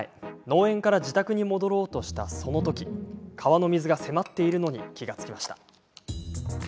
農園から自宅に戻ろうとした、そのとき川の水が迫っているのに気が付きました。